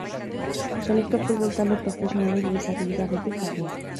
Gizonezko futbol talde profesionalei buruz ari dira beti, jakina.